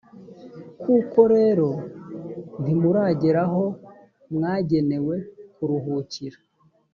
koko rero ntimuragera aho mwagenewe kuruhukira,